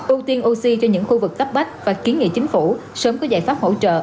ưu tiên oxy cho những khu vực cấp bách và kiến nghị chính phủ sớm có giải pháp hỗ trợ